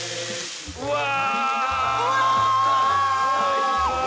うわ！